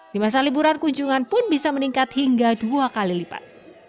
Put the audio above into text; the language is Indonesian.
di masa liburan kunjungan pun bisa meningkat hingga dua kali lipat